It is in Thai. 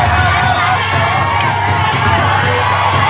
สวัสดีครับ